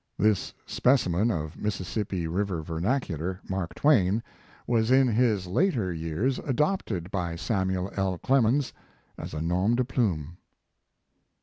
This specimen of Mississippi river vernacular " Mark Twain" was in 36 Mark Twain his later years adopted by Samuel L. Clemens as a nom de plume.